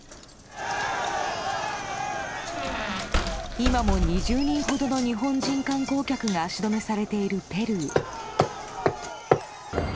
今も２０人ほどの日本人観光客が足止めされているペルー。